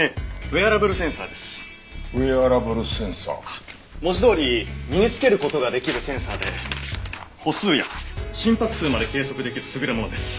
ウェアラブルセンサー？あっ文字どおり身につける事ができるセンサーで歩数や心拍数まで計測できる優れものです。